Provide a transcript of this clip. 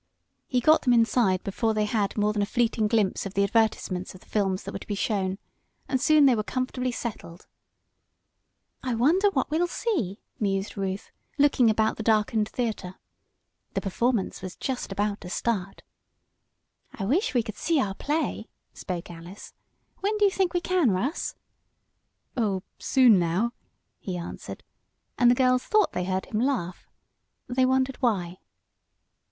He got them inside before they had more than a fleeting glimpse of the advertisements of the films that were to be shown, and soon they were comfortably settled. "I wonder what we'll see?" mused Ruth, looking about the darkened theater. The performance was just about to start. "I wish we could see our play," spoke Alice. "When do you think we can, Russ?" "Oh, soon now," he answered, and the girls thought they heard him laugh. They wondered why.